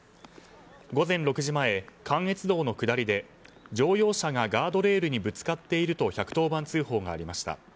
午前６時前、関越道の下りで乗用車がガードレールにぶつかっていると１１０番通報がありました。